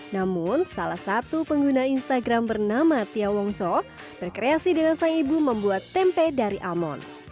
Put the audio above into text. namun salah satu pengguna instagram bernama tia wongso berkreasi dengan sang ibu membuat tempe dari almond